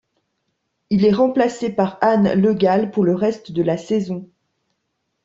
Il est remplacé par Anne Legall pour le reste de la saison.